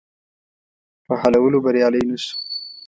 په حلولو بریالی نه شو.